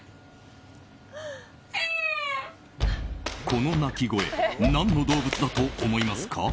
この鳴き声何の動物だと思いますか？